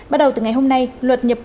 bắt đầu từ ngày hôm nay luật nhập cư mới